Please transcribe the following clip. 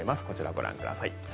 こちらご覧ください。